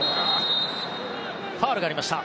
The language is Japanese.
ファウルがありました。